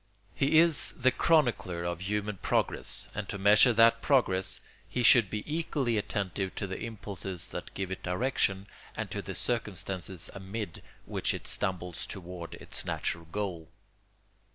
He is the chronicler of human progress, and to measure that progress he should be equally attentive to the impulses that give it direction and to the circumstances amid which it stumbles toward its natural goal.